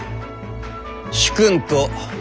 主君と。